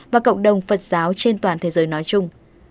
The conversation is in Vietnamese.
và cộng đồng phật giáo trên toàn thế giới nói chung